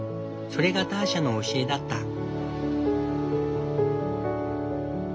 それがターシャの教えだった。